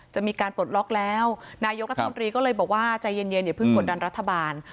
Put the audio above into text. จะมีการปลดล็อกแล้วนายกรัฐมนตรีก็เลยบอกว่าใจเย็นอย่าเพิ่งกดดันรัฐบาล